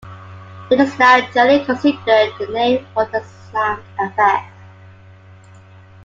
It is now generally considered the name for the sound effect.